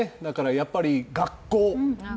やっぱり学校。